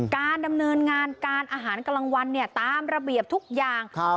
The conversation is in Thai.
การดำเนินงานการอาหารกลางวันเนี่ยตามระเบียบทุกอย่าง